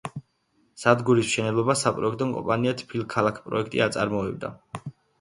სადგურის მშენებლობას საპროექტო კომპანია „თბილქალაქპროექტი“ აწარმოებდა.